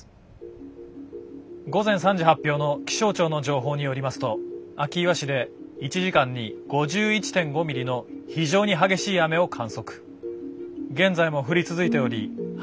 午前３時発表の気象庁の情報によりますと明岩市で１時間に５１．５ミリの非常に激しい雨を観測現在も降り続いており初